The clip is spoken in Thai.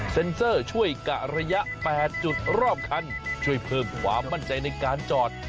เซอร์ช่วยกะระยะ๘จุดรอบคันช่วยเพิ่มความมั่นใจในการจอด